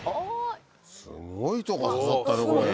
すごいとこ刺さったねこれ。